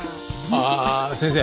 ああ先生